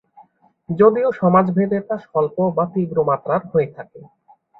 যদিও সমাজভেদে তা স্বল্প বা তীব্র মাত্রার হয়ে থাকে।